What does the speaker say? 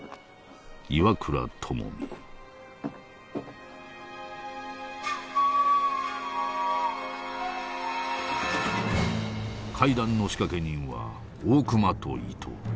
岩倉具視会談の仕掛け人は大隈と伊藤。